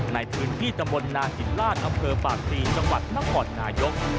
ในพื้นที่ตำบลนาศิลลาศอปาศีจังหวัดนพนายก